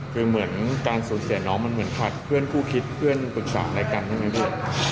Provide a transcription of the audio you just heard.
คือเหมือนการสูญเสียน้องมันเหมือนขาดเพื่อนคู่คิดเพื่อนปรึกษาอะไรกันใช่ไหมพี่